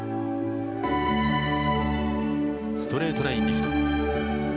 ストレートラインリフト。